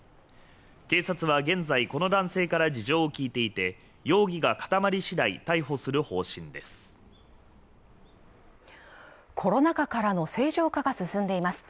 警察は現在この男性から事情を聞いていて容疑が固まり次第逮捕する方針ですコロナ禍からの正常化が進んでいます